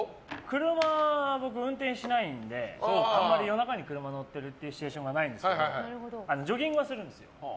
車、僕運転しないのであまり夜中に車に乗ってるというシーンがないんですけどジョギングはするんですよ。